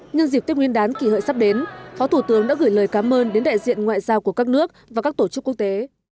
nhân dịp tết nguyên đán kỳ hợi sắp đến phó thủ tướng đã gửi lời cảm ơn đến đại diện ngoại giao của các nước và các tổ chức quốc tế